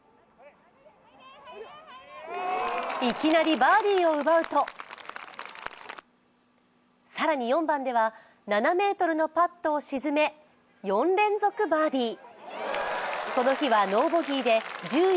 いきなりバーディーを奪うと更に４番では、７ｍのパットを沈め、４連続バーディー。